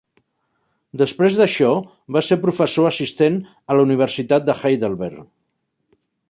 Després d'això, va ser professor assistent a la Universitat de Heidelberg.